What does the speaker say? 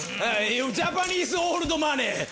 ジャパニーズオールドマネー！